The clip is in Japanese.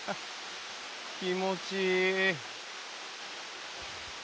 気持ちいい。